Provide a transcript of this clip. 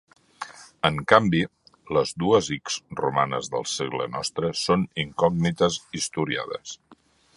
En canvi, les dues ics romanes del segle nostre són incògnites historiades.